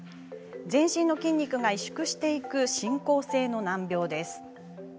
全身の筋肉が萎縮していく進行性の難病です。